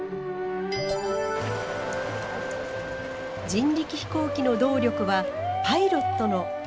人力飛行機の動力はパイロットの脚。